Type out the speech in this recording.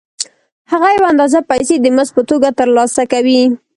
هغه یوه اندازه پیسې د مزد په توګه ترلاسه کوي